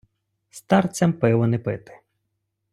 старцям пиво не пити